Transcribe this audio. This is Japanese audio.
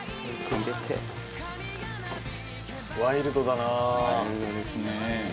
ワイルドですね。